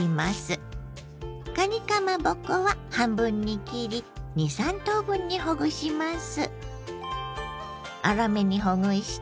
かにかまぼこは半分に切り２３等分にほぐします。